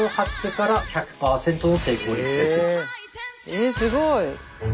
えすごい！